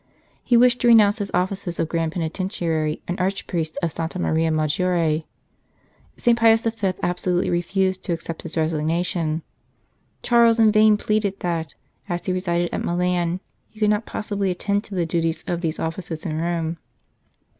He wished to renounce his offices of Grand Peniten tiary and Archpriest of Santa Maria Maggiore. St. Pius V. absolutely refused to accept his resignation ; Charles in vain pleaded that, as he resided at Milan, he could not possibly attend to the duties of these offices in Rome.